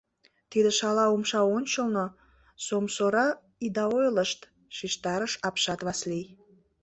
— Тиде шала умша ончылно сомсора ида ойлышт, — шижтарыш апшат Васлий.